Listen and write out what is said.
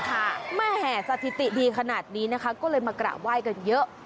แม่แห่สถิติดีขนาดนี้นะคะก็เลยมากราบไหว้กันเยอะ